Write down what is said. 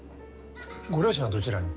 ご両親はどちらに？